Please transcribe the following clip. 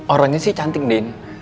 orangnya sih cantik din